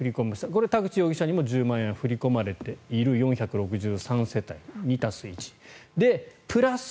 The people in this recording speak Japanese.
これ、田口容疑者にも振り込まれている４６２世帯プラス１。